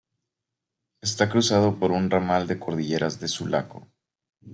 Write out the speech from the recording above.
Está cruzado por un ramal de cordilleras de Sulaco.